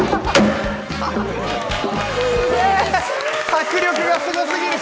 迫力がすごすぎる！